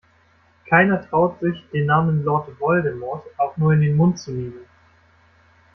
Keiner traut sich, den Namen Lord Voldemort auch nur in den Mund zu nehmen.